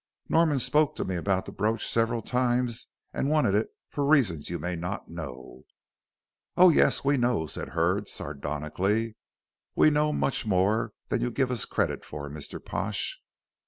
Norman spoke to me about the brooch several times and wanted it for reasons you may not know." "Oh, yes, we know," said Hurd, sardonically; "we know much more than you give us credit for, Mr. Pash.